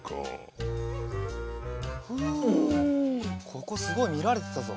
ここすごいみられてたぞ。